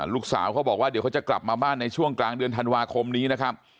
ลูกสาวเขาบอกว่าเดี๋ยวเขาจะกลับมาบ้านในช่วงกลางเดือนธันวาคมนี้นะครับ